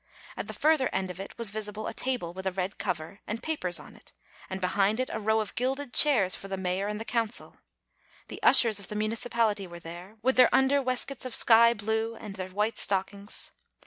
At the further end of it was visible a table with a red cover, and papers on it, and behind it a row of gilded chairs for the mayor and the council; the ushers of the municipality were there, with their under waistcoats of sky blue and their white stockings.